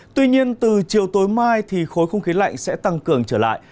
tuy nhiên từ chiều tối mai thì khối không khí lạnh sẽ tăng cường trở lại